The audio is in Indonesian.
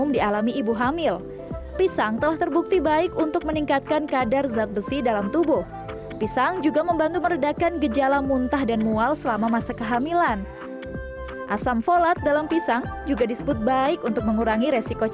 diamkan selama lima belas hari